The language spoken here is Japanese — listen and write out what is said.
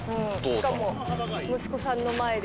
「しかも息子さんの前で」